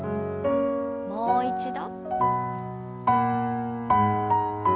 もう一度。